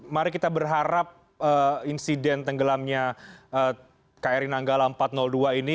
mari kita berharap insiden tenggelamnya krir nanggala empat tahun ini